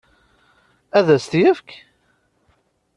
Ad as-t-yefk?